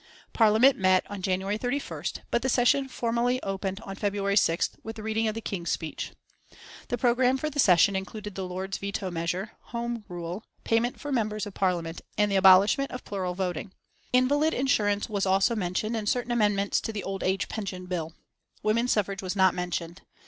Parliament met on January 31st, but the session formally opened on February 6th with the reading of the King's speech. The programme for the session included the Lords' veto measure, Home Rule, payment for members of Parliament, and the abolishment of plural voting. Invalid insurance was also mentioned and certain amendments to the old age pension bill. Women's suffrage was not mentioned.